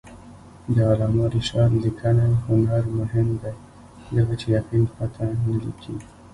د علامه رشاد لیکنی هنر مهم دی ځکه چې یقین پرته نه لیکي.